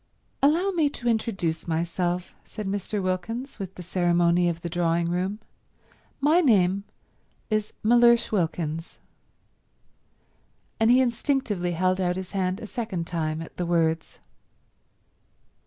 "Allow me to introduce myself," said Mr. Wilkins, with the ceremony of the drawing room. "My name is Mellersh Wilkins." And he instinctively held out his hand a second time at the words.